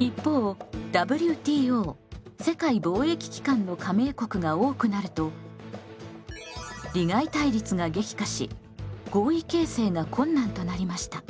一方ＷＴＯの加盟国が多くなると利害対立が激化し合意形成が困難となりました。